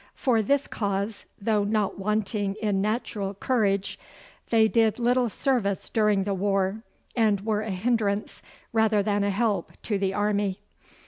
For this cause, though not wanting in natural courage, they did little service during the war, and were a hindrance rather than a help to the army.